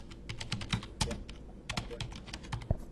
تيجا مي مارو ٽاٻر رھي ھي